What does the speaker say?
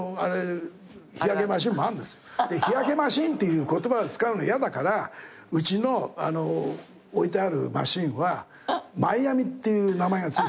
日焼けマシンっていう言葉使うの嫌だからうちの置いてあるマシンはマイアミっていう名前が付いてる。